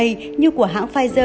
như của hãng pfizer